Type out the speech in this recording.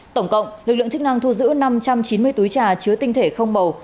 tổng cộng lực lượng chức năng thu giữ năm trăm chín mươi túi trà chứa tinh thể không bầu